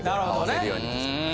なるほどね。